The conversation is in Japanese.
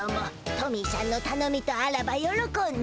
トミーしゃんのたのみとあらばよろこんで。